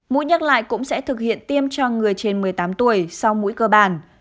mũi nhắc lại cũng sẽ thực hiện tiêm cho người trên một mươi tám tuổi sau mũi cơ bản